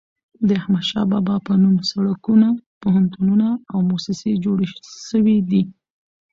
د احمد شاه بابا په نوم سړکونه، پوهنتونونه او موسسې جوړي سوي دي.